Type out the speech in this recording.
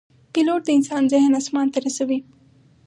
پیلوټ د انسان ذهن آسمان ته رسوي.